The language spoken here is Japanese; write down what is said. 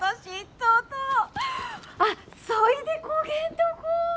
とうとあっそいでこげんとこ？